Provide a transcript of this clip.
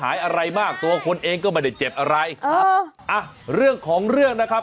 อะไรมากตัวคนเองก็ไม่ได้เจ็บอะไรครับอ่ะเรื่องของเรื่องนะครับ